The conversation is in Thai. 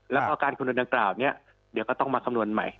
แล้วก็การคำนวณดังกล่าวนี้เดี๋ยวก็ต้องมาคำนวณใหม่